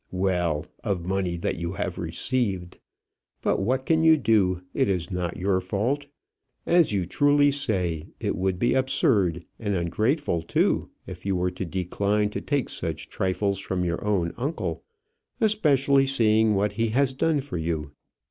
"Well, of money that you have received. But what can you do? It is not your fault. As you truly say, it would be absurd and ungrateful too if you were to decline to take such trifles from your own uncle; especially seeing what he has done for you.